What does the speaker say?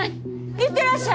行ってらっしゃい！